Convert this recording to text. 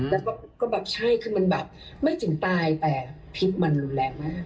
แล้วก็แบบใช่คือมันแบบไม่ถึงตายแต่พิษมันรุนแรงมาก